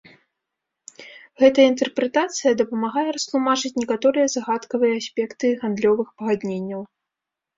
Гэтая інтэрпрэтацыя дапамагае растлумачыць некаторыя загадкавыя аспекты гандлёвых пагадненняў.